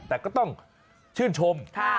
แต่ก็ต้องชื่นชม